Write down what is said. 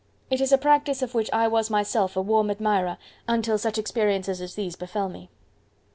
It is a practice of which I was myself a warm admirer until such experiences as these befell me.